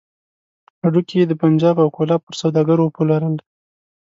هډوکي يې د پنجاب او کولاب پر سوداګرو وپلورل.